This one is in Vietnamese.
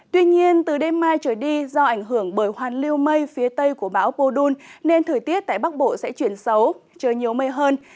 tuy nhiên từ đêm mai trở đi do ảnh hưởng bởi hoàn lưu mây phía tây của bão podun nên thời tiết tại bắc bộ sẽ chuyển xấu trời nhiều mây hơn